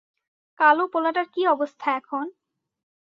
কালো পোলাটার কী অবস্থা এখন?